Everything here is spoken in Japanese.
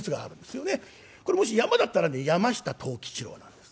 これもし山だったらね「山下藤吉郎」なんです。